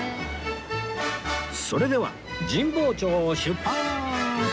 それでは神保町を出発！